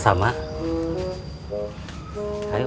terima kasih ip